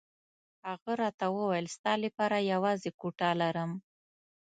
هغه راته وویل ستا لپاره یوازې کوټه لرم.